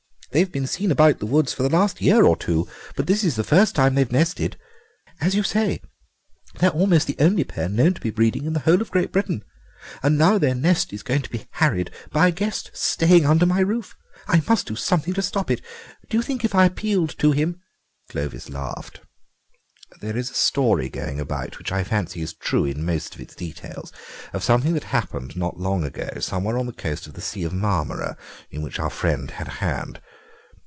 They've been seen about the woods for the last year or two, but this is the first time they've nested. As you say, they are almost the only pair known to be breeding in the whole of Great Britain; and now their nest is going to be harried by a guest staying under my roof. I must do something to stop it. Do you think if I appealed to him—" Clovis laughed. "There is a story going about, which I fancy is true in most of its details, of something that happened not long ago somewhere on the coast of the Sea of Marmora, in which our friend had a hand.